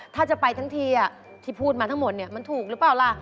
ถ้าจะไปทั้งทีที่พูดมาทั้งหมดเนี่ยมันถูกหรือเปล่าล่ะ